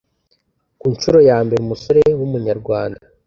Ku nshuro ya mbere umusore w’Umunyarwanda